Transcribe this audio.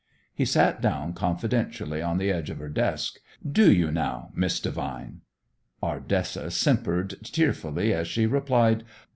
He sat down confidentially on the edge of her desk. "Do you, now, Miss Devine?" Ardessa simpered tearfully as she replied.